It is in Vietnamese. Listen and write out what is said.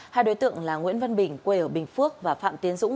hai đối tượng là nguyễn văn bình quê ở bình phước và phạm tiến dũng